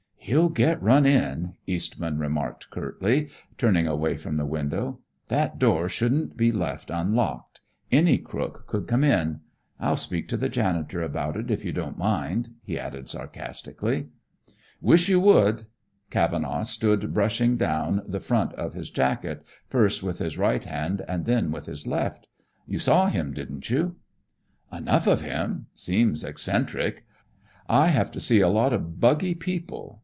"He'll get run in," Eastman remarked curtly, turning away from the window. "That door shouldn't be left unlocked. Any crook could come in. I'll speak to the janitor about it, if you don't mind," he added sarcastically. "Wish you would." Cavenaugh stood brushing down the front of his jacket, first with his right hand and then with his left. "You saw him, didn't you?" "Enough of him. Seems eccentric. I have to see a lot of buggy people.